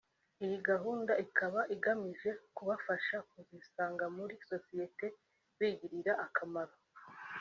Iyi gahunda ikaba igamije kubafasha kuzisanga muri sosiyete bigirira akamaro